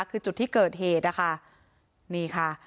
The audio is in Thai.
คือจุดที่เกิดเหตุนะคะนี่ค่ะ